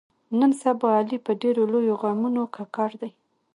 نن سبا علي په ډېرو لویو غمونو ککړ دی.